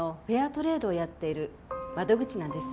トレードをやっている窓口なんです。